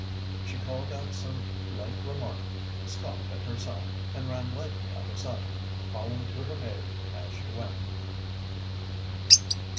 She called out some light remark, scoffed at herself, and ran lightly out of sight, calling to her maid as she went.